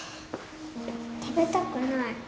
食べたくない。